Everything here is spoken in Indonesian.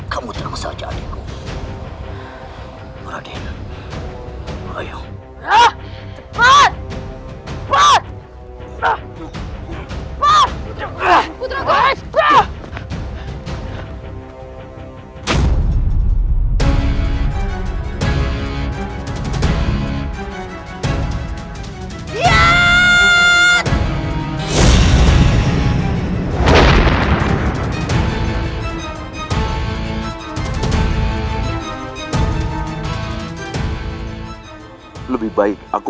kamu tenang saja adikku